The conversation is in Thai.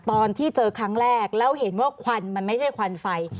ตอนที่เจอครั้งแรกแล้วเห็นว่าควันมันไม่ใช่ควันไฟ